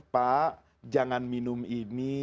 pak jangan minum ini